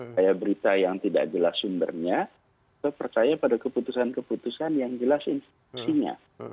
saya berita yang tidak jelas sumbernya saya percaya pada keputusan keputusan yang jelas infeksinya